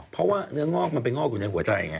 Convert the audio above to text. เพราะว่าเนื้องอกมันไปงอกอยู่ในหัวใจไง